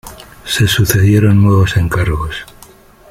Se sucedieron nuevos encargos.